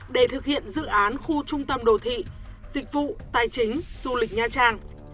để thực hiện dự án khu trung tâm đồ thị dịch vụ tài chính du lịch nha trang